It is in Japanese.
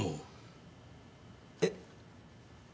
えっ？